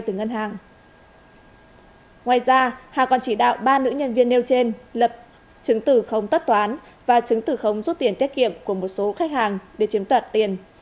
ngoài ra hà còn chỉ đạo ba nữ nhân viên nêu trên lập chứng từ không tất toán và chứng từ khống rút tiền tiết kiệm của một số khách hàng để chiếm đoạt tiền